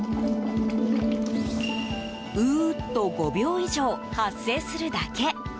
うー、と５秒以上発声するだけ。